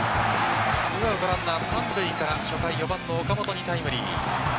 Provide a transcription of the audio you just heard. ２アウトランナー三塁から初回、４番の岡本にタイムリー。